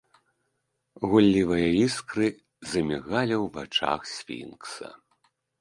Гуллівыя іскры замігалі ў вачах сфінкса.